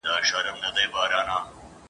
نه یې مرستي ته دوستان سوای رسېدلای !.